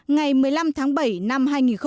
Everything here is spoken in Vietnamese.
ngày một mươi năm tháng bảy năm hai nghìn một mươi ba